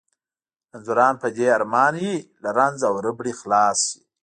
رنځوران په دې ارمان وي له رنځ او ربړې خلاص شي.